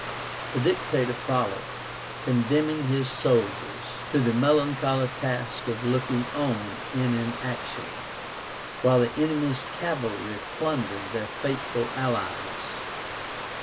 The Dictator followed, condemning his soldiers to the melancholy task of looking on in inaction, while the enemy's cavalry plundered their faithful allies.